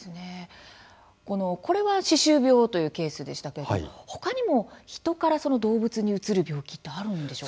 これは歯周病というケースでしたけれど他にも人から動物にうつる病気ってあるんでしょうか？